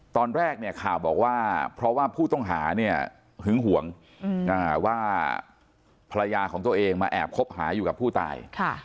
ตอนแรกเนี่ยข่าวบอกว่าเพราะว่าผู้ต้องหาเนี่ยหึงห่วงว่าภรรยาของตัวเองมาแอบคบหาอยู่กับผู้ตาย